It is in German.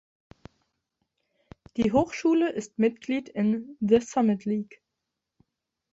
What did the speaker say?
Die Hochschule ist Mitglied in The Summit League.